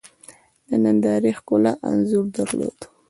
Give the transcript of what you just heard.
د نندارې ښکلا انځور درلود.